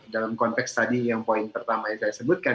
dalam konteks tadi yang poin pertama yang saya sebutkan